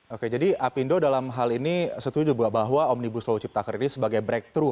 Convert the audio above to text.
oke jadi apindo dalam hal ini setuju bahwa omnibus law ciptaker ini sebagai breakthrough